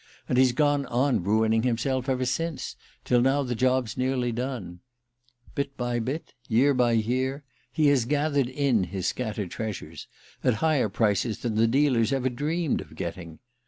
And he's gone on ruining himself ever since, till now the job's nearly done. Bit by bit, year by year, he has gathered in his scattered treasures, at higher prices than the dealers ever dreamed of getting.